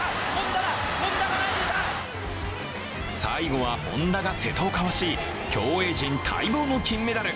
最後は本多が瀬戸をかわし競泳陣待望の金メダル。